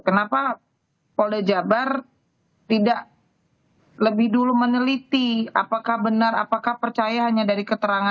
kenapa polda jabar tidak lebih dulu meneliti apakah benar apakah percaya hanya dari keterangan